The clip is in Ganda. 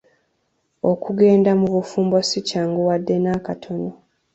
Okugenda mu bufumbo si kyangu wadde n'akatono.